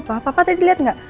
papa tadi lihat tidak